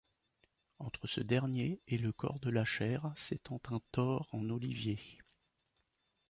Entre ce dernier et le corps de la chaire s'étend un tore en olivier.